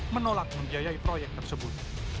menolak membiayai proyek tersebut